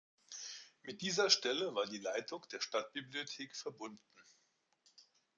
Mit dieser Stelle war die Leitung der Stadtbibliothek verbunden.